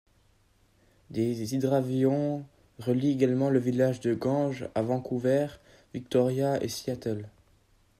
Des hydravions relient également le village de Ganges à Vancouver, Victoria et Seattle.